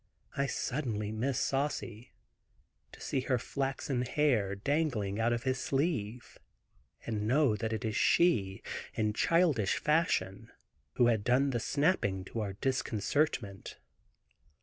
I suddenly miss Saucy, to see her flaxen hair dangling out of his sleeve, and know that it is she, in childish fashion, who had done the snapping to our disconcertment.